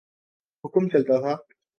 حکم چلتا تھا۔